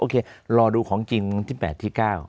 โอเครอดูของจริงกันที่๘ที่๙